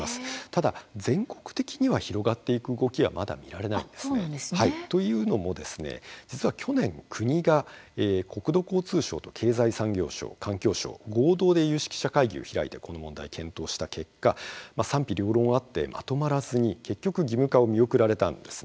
ただ全国的には広がっていく動きは、まだ見られないんですね。というのも実は去年、国が国土交通省と経済産業省環境省合同で有識者会議を開いてこの問題、検討した結果賛否両論あってまとまらずに結局、義務化は見送られたんです。